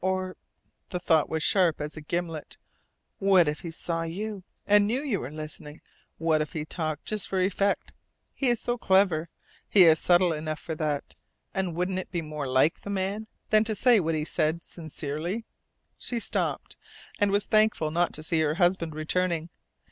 Or" the thought was sharp as a gimlet "what if he saw you, and knew you were listening? What if he talked just for effect? He is so clever! He is subtle enough for that. And wouldn't it be more like the man, than to say what he said sincerely?" She stopped, and was thankful not to see her husband returning.